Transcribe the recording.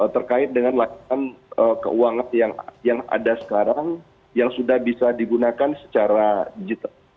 terkait dengan layanan keuangan yang ada sekarang yang sudah bisa digunakan secara digital